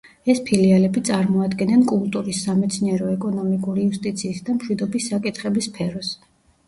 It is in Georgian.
ეს ფილიალები წარმოადგენენ კულტურის, სამეცნიერო, ეკონომიკურ, იუსტიციის და მშვიდობის საკითხების სფეროს.